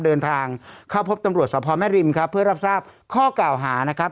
เดินทางเข้าพบตำรวจสภแม่ริมครับเพื่อรับทราบข้อกล่าวหานะครับ